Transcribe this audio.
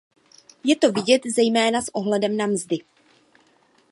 Je to vidět zejména s ohledem na mzdy.